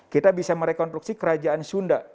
kita bisa merekonstruksi kerajaan sunda